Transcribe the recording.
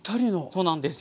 そうなんですよ。